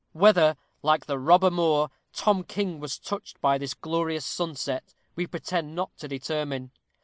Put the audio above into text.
Whether, like the robber Moor, Tom King was touched by this glorious sunset, we pretend not to determine.